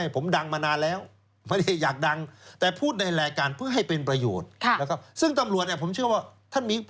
เพื่อให้เป็นประโยชน์ซึ่งตำรวจผมเชื่อว่า